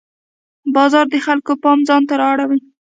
باز د خلکو پام ځان ته را اړوي